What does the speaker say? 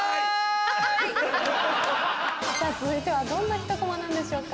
続いてはどんなひとコマなんでしょうか。